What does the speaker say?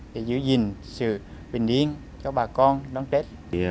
để giữ gìn sự bình yên cho bà con đón tết